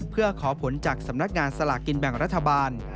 เพื่อขอผลจากสำนักงานสลากกินแบ่งรัฐบาล